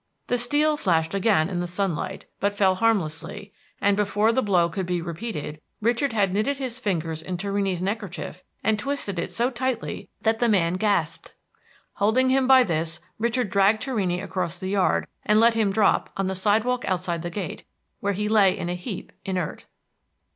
The flat steel flashed again in the sunlight, but fell harmlessly, and before the blow could be repeated, Richard had knitted his fingers in Torrini's neckerchief and twisted it so tightly that the man gasped. Holding him by this, Richard dragged Torrini across the yard, and let him drop on the sidewalk outside the gate, where he lay in a heap, inert.